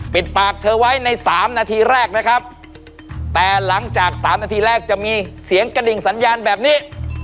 ปิดปากเธอไว้ในสามนาทีแรกนะครับแต่หลังจากสามนาทีแรกจะมีเสียงกระดิ่งสัญญาณแบบนี้